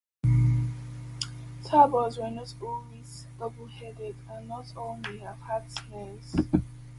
Tabors were not always double-headed and not all may have had snares.